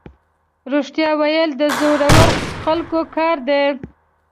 رښتیا ویل د زړورو خلکو کار دی.